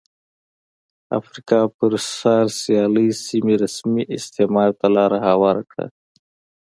افریقا پر سر سیالۍ سیمې رسمي استعمار ته لار هواره کړه.